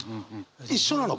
一緒なの。